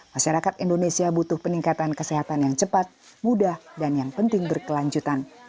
masyarakat indonesia butuh peningkatan kesehatan yang cepat mudah dan yang penting berkelanjutan